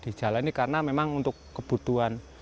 di jalan ini karena memang untuk kebutuhan